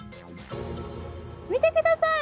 見てください。